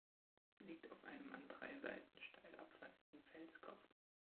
Sie liegt auf einem an drei Seiten steil abfallenden Felskopf.